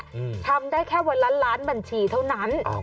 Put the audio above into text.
ทำได้แค่วันล้านบัญชีเท่านั้น